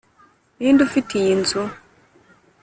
ninde ufite iyi nzu?